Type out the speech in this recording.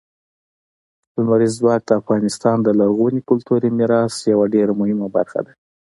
لمریز ځواک د افغانستان د لرغوني کلتوري میراث یوه ډېره مهمه برخه ده.